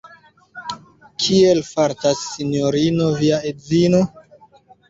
Kiel fartas Sinjorino via edzino?